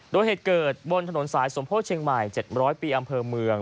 โดยเหตุเกิดบนถนนสายสมโพธิเชียงใหม่๗๐๐ปีอำเภอเมือง